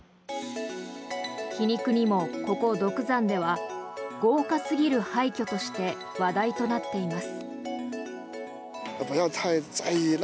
皮肉にもここ独山では豪華すぎる廃虚として話題となっています。